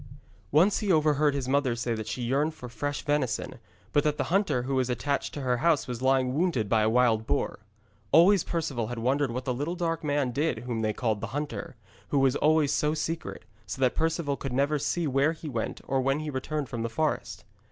Once he overheard his mother say that she yearned for fresh venison, but that the hunter who was attached to her house was lying wounded by a wild boar. Always Perceval had wondered what the little dark man did whom they called the hunter, who was always so secret, so that Perceval could never see where he went or when he returned from the forest.